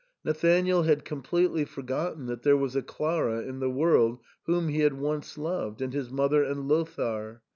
Nathanael had completely forgotten that there was a Clara in the world, whom he had once loved — and his mother and Lothair.